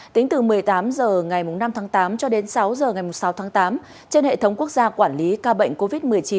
tính từ một mươi tám h ngày năm tháng tám cho đến sáu h ngày sáu tháng tám trên hệ thống quốc gia quản lý ca bệnh covid một mươi chín